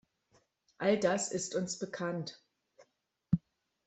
All das ist uns bekannt.